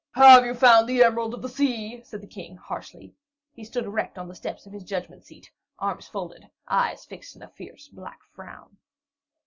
"Have you found the Emerald of the Sea?" said the King, harshly. He stood erect on the steps of his judgment seat, arms folded, eyes fixed in a fierce, black frown.